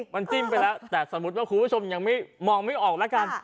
มันจิ้มไปแล้วแต่สมมุติว่าคุณผู้ชมยังไม่มองไม่ออกแล้วกัน